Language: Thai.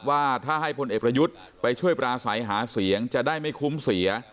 ว่าถ้าให้พลเอกประยุทธ์ไปช่วยปราศัยหาเสียงจะได้ไม่คุ้มเสีย